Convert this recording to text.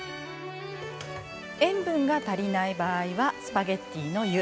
塩分が足りない場合はスパゲッティの湯。